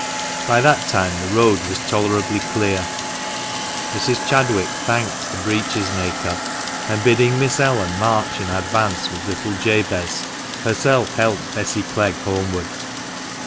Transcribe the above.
By that time the road was tolerably clear. Mrs. Chadwick thanked the breeches maker, and bidding Miss Ellen march in advance with little Jabez, herself helped Bessy Clegg home ward.